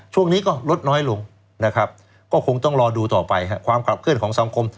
ช่วงนี้ก็ลดน้อยลงนะครับก็คงต้องรอดูต่อไปความขับเคลื่อนของสังคม